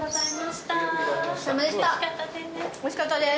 おいしかったです。